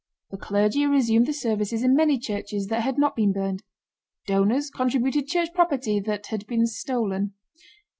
The clergy resumed the services in many churches that had not been burned. Donors contributed Church property that had been stolen.